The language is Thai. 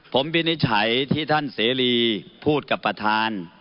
ผมวินิจฉัยที่ท่านเสรีพูดกับประธาน